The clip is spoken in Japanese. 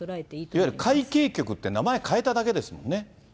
いわゆる海警局って、名前変えただけですもんね。